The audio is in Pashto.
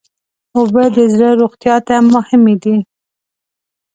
اوبه د زړه روغتیا ته مهمې دي.